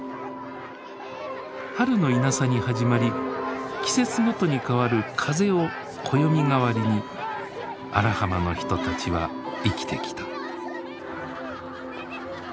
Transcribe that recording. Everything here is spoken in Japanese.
春のイナサに始まり季節ごとに変わる風を暦代わりに荒浜の人たちは生きてきた。